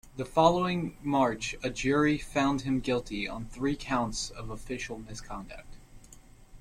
The following March, a jury found him guilty on three counts of official misconduct.